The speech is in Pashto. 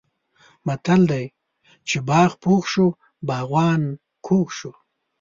متل دی: چې باغ پوخ شو باغوان کوږ شو.